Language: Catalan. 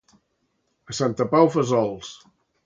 A Santa Pau, fesols.